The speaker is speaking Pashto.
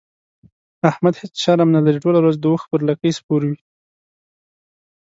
احمد هيڅ شرم نه لري؛ ټوله ورځ د اوښ پر لکۍ سپور وي.